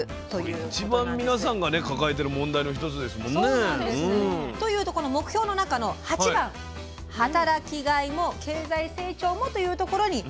これ一番皆さんが抱えてる問題の一つですもんね。というとこの目標の中の８番「働きがいも経済成長も」というところに。